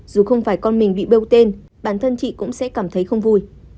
dù không phải con mình bị bêu tên bản thân chị cũng sẽ cảm thấy không vui